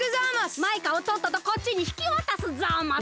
マイカをとっととこっちにひきわたすざます。